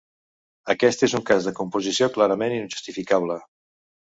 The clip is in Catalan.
Aquest és un cas de composició clarament injustificable.